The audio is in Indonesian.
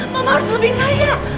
mama harus lebih kaya